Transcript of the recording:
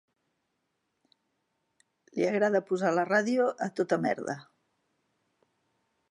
Li agrada posar la ràdio a tota merda.